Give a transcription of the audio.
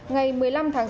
ngày một mươi năm tháng sáu